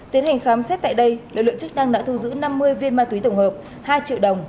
tiến hành khám xét tại đây lực lượng chức năng đã thu giữ năm mươi viên ma túy tổng hợp hai triệu đồng